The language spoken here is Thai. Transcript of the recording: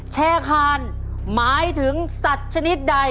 แชร์คานหมายถึงสัตว์ชนิดใด